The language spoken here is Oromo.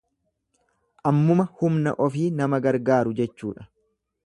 Ammuma humna ofii nama gargaaru jechuudha.